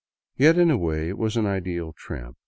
Yet in a way it was an ideal tramp.